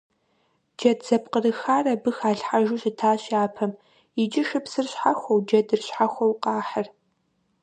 Джэд зэпкъырыхар абы халъхьэжу щытащ япэм, иджы шыпсыр щхьэхуэу джэдыр щхьэхуэу къахьыр.